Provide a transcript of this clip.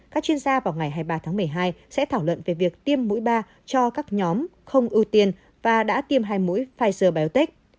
các chuyên gia vào ngày hai mươi ba tháng một mươi hai sẽ thảo luận về việc tiêm mũi ba cho các nhóm không ưu tiên và đã tiêm hai mũi pfizer biotech